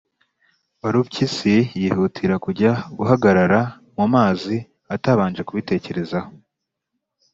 warupyisi yihutira kujya guhagarara mu mazi itabanje kubitekerezaho